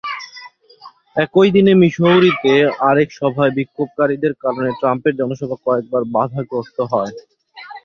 একই দিন মিসৌরিতে আরেক সভায় বিক্ষোভকারীদের কারণে ট্রাম্পের জনসভা কয়েকবার বাধাগ্রস্ত হয়।